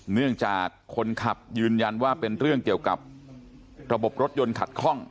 เนื่องจากคนขับยืนยันว่าเป็นเรื่องเกี่ยวกับระบบรถยนต์ขัดข้อง